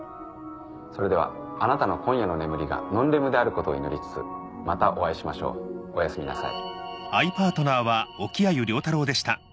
それではあなたの今夜の眠りがノンレムであることを祈りつつまたお会いしましょうおやすみなさい。